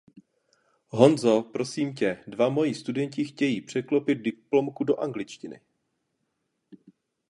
Honzo, prosím tě, dva moji studenti chtějí překlopit diplomku do angličtiny.